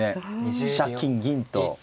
飛車金銀と。